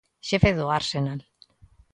Xefe do Arsenal.